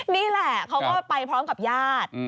นี่แหละเขาก็ไปพร้อมกับญาติ